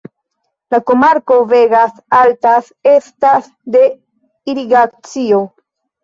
La komarko Vegas Altas estas de irigacio.